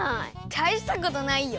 たいしたことないよ。